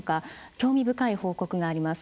興味深い報告があります。